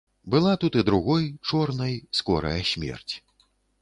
Была тут і другой, чорнай, скорая смерць.